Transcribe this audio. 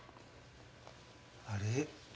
あれ？